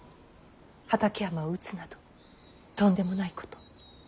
畠山を討つなどとんでもないこと。